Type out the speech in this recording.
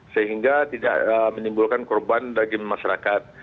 sehingga tidak menimbulkan korban bagi masyarakat